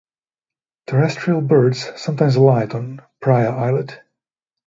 Terrestrial birds sometimes alight on Praia Islet.